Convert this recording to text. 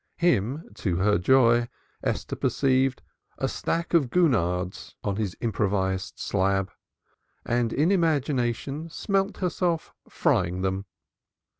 Him, to her joy, Esther perceived she saw a stack of gurnards on his improvised slab, and in imagination smelt herself frying them.